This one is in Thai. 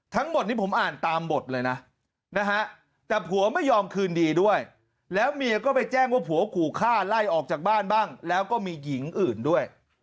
ทั้งหมดนี้ผมอ่านตามบทเลยนะนะฮะแต่ผัวไม่ยอมคืนดีด้วยแล้วเมียก็ไปแจ้งว่าผัวขู่ฆ่าไล่ออกจากบ้านบ้างแล้วก็มีหญิงอื่นด้วย